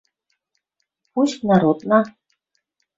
Пусть народна